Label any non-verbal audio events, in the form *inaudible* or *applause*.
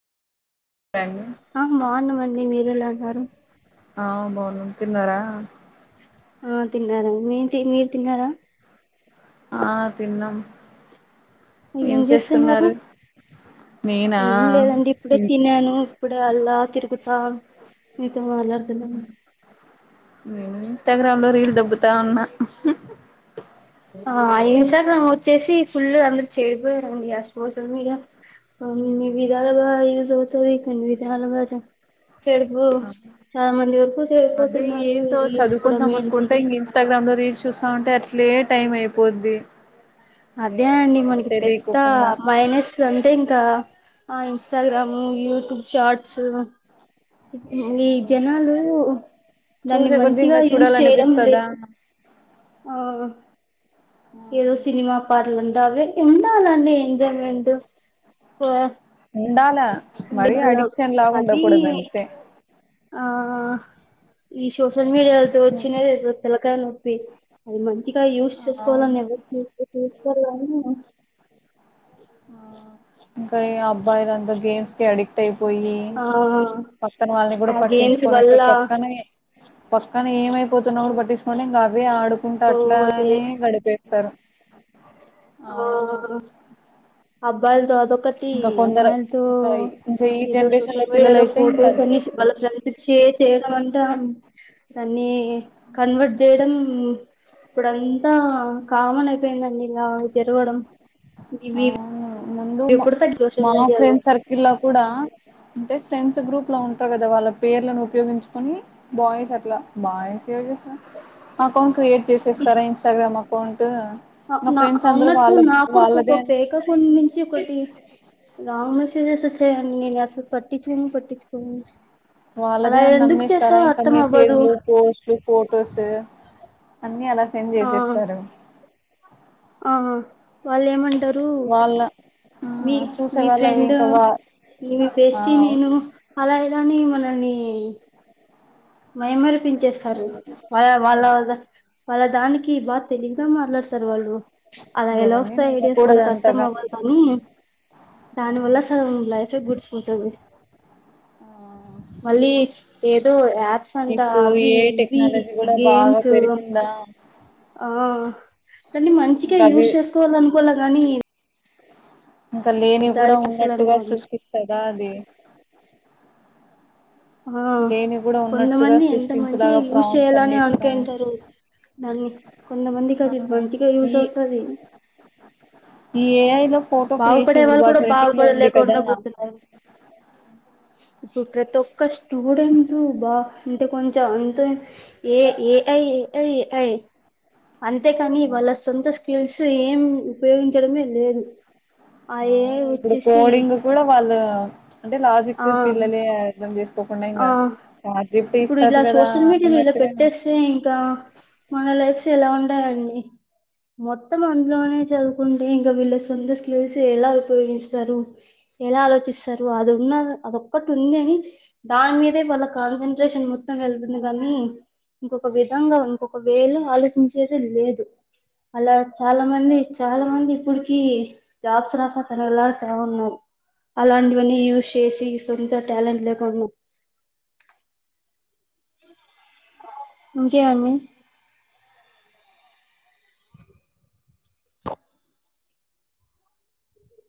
రండి ఆ బావున్నాం అండి మీరేలా ఉన్నారు. ఆ బావున్నాం తిన్నారా ఆ తిన్నారండి మీ మీరు తిన్నారా ఆ తిన్నాం. ఏం చేస్తున్నారు. నేనా ఏం లేదండి ఇప్పుడే తిన్యను ఇప్పుడే అలా. తిరుగుతా మీతో మాట్లాడుతున్నాను. నేను ఇంస్టాగ్రామ్ లో రీల్ దోబ్బుతా ఉన్నా. ఆ ఇన్స్టాగ్రామ్ వచ్చేసి ఫుల్ అందరు చే. *unintelligible* ఆ సోషల్ మీడియా *unintelligible* న్ని విధాలుగా యూజ్ అవుతాది, కొన్ని విధాలుగా *unintelligible* చెడిపో, చాలా మంది వరకు అదే చెడిపోతున్నారు ఏంతో రీల్స్ *unintelligible* చదువుకుందాం ఏంటి. అనుకుంటే ఇంక ఇన్స్టాగ్రామ్ లో రీల్స్ చూస్తా ఉంటే అట్లే టైం అయిపోద్ది. అదే అండి, మనకి పెత్త తెలియకోకుండా మైనస్ అంటే ఇంగ్. కా ఆ ఇన్స్టాగ్రామ్, యూట్యూబ్ షార్ట్స్. ఈ అవును జనాలు, దాన్ని చూసే కొద్ది మంచిగా ఇంకా యూజ్ చేయడం చూడాలనిపిస్తదా లేద్. ఆ. ఏదో సినిమా పార్లన్. *unintelligible* ఎంజాయ్మెంట్. *unintelligible* ఉండాలా, మరి ఉండాల. అడిక్షన్ లా అది ఉండకూడద్ అంతే. ఆ ఈషోస్. సోషల్ మీడియాతో ఓచ్చినదే, *unintelligible* తెలకాయి నొప్. తి అవును. చిగా యూజ్ చేసుకోవాలని అవును *unintelligible* ఇంకా ఈ అబ్బాయిల అంతా, గేమ్స్ కి అడిక్ట్ అయి. పోయి, ఆ పక్కన వాళ్ళని కూడా ఆ గేమ్స్ పట్టించుకోనట్టు, వల్ల పక్కనే. పక్కన ఏమైపోతున్నా కూడా పట్టించుకో, *unintelligible* ఇంగా అవ్వే ఆడు. కుంటా, ఓ అట్లా వాళ్ళే అనే గడిపేస్తారు. అవును. అబ్బాయిల్ తో. *unintelligible* ఒకటి ఇంకా కొందరు అమ్మాయిలతో, ఇంకా ఇంకా ఈ ఏదో జనరేషన్ లో సోషల్ మీడియాలో పిల్లలయితే ఫొటోస్ ఇంకా అనీ, వాళ్ళ ఫ్రెండ్ పిక్ షేర్ చేయడం అంటాం. దాన్ని కన్వర్ట్ చేయడం, ఇప్పుడంతా కామన్ అయిపోయిందండి ఇలా జరగడం. అవును *unintelligible* ముందు మా, ఎప్పుడు తగ్గ సోషల్ మా మీడియాలో ఫ్రెండ్ సర్కిల్ లో కూడా. అంటే ఫ్రెండ్స్ గ్రూప్ లో ఉంటారు కదా, వాళ్ళ పేర్లను ఉపయోగించుకొని బాయ్స్ అట్లా, బాయ్స్ *unintelligible* అకౌంట్ క్రియేట్. చేసేస్తారా ఇన్స్టాగ్రామ్ అకౌంట్. ఇంగ నా ఫ్రెండ్స్ అందరు ఉన్నట్టు వాళ్ళక్ నాకు కూడా వాళ్ళక్. ఒక ఫేక్ అకౌంట్ నుంచి ఒకటి, రా ఆ మెసేజెస్ ఓచ్చాయండి. నేను అసలు పట్టించి *unintelligible* పట్టించుకోను. అలా వాళ్ళదే అని ఎందుకు నమ్మిస్తారా, చేసారో ఇంకా అర్థం అవ్వదు మెసేజ్లు, పోస్ట్లు, ఫొటోస్. అన్నీ అలా సెండ్ ఆ చేసేస్తారు ఆ వాళ్ళు ఏమంటారు వాళ్ళ ఆ మీ చూసే మీ వాళ్ళు అవి ఫ్రెండ్ ఇంకా వా మీ ఆ బేస్టి అవును. నేను అలా ఇని మనని మై మరి పిన్ చేస్తారు వాళ్ వాళ్ళ వాళ్ళ దానికి బ తెలివిగా మాట్లాడతారు వాళ్ళు అలా ఎలా ఎవరిని వస్తాయి ఐడియాస్ నమ్మకూడదు వాళ్ళకి అర్థం అంతగా అవ్వాలి కాని దాని వల్ల అవును అసలు లైఫ్ ఏ గుడ్ ప చవిస్ ఆ మళ్ళీ ఏదో యాప్స్ అంట ఇప్పుడు అవి ఏ ఇవి టెక్నాలజీ కూడా బాగా గేమ్స్ పెరిగిందా ఆ దాన్ని మంచిగా ఇంకా అవి యూజ్ చేసుకోవాలి అనుకోల గానీ ఇంకా లేని కూడా ఇట్లా అసలు ఉన్నట్టుగా అనుకోను సృష్టిస్తదా అది ఆ లేనివి కూడా ఉన్నట్టుగా కొంతమంది ఎంత మంచిగా సృష్టించేలాగా యూజ్ ప్రామ్స్ అన్ని చేయాలని ఇస్తాయి అనుకుంటారు దాన్ని కొంతమందికి ఆ అది మంచిగా యూస్ అవుతది ఏ అయిలో బాగుపడే వాళ్ళు కూడా కదా బాగుపడలేకుండా పోతున్నారు ఇప్పుడు ప్రతి ఒక్క స్టూడెంట్ బా అంటే కొంచెం అంత ఏ ఏఐ ఏఐఐ అంతేకాని వాళ్ళ సొంత స్కిల్స్ ఏం ఉపయోగిం కడమే లేదు ఆ ఏఐ అవును ఇప్పుడు వచ్చేసి కోడింగ్ కూడా వాళ్ళు అంటే లాజిక్ ఆ పిల్లలే అర్థం చేసుకోకుండా ఆ ఇంకా చాట్ జి. పి. టి ఇప్పుడు ఇస్తది ఇలా కదా సోషల్ మీడియాలో ఇలా అన్నట్టుగా పెట్టేస్తే ఇంకా మన లైఫ్స్ ఎలా ఉంటాయండి మొత్తం అందులోనే చదువుకుంటే ఇంకా వీళ్ళ సొంత స్లీవ్స్ ఎలా ఉపయోగిస్తారు ఎలా ఆలోచిస్తారు అ ఉన్న అదొక్కటి ఉంది అని దాని మీదే వాళ్ళ కాన్సన్ంట్రేషన్ మొత్తం వెళ్తుంది కానీ ఇంకొక విధంగా ఇంకొక వేలు ఆలోచించేది లేదు అలా చాలా మంది చాలా మంది ఇప్పుటికి జాబ్స్ దకా తన వెలాడుతా ఉన్నావు అలాంటివన్నీ చేసి సొంత ట్యాలెంట్ లేకుండా ఇంకే అమీ